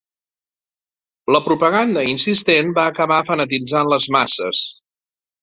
La propaganda insistent va acabar fanatitzant les masses.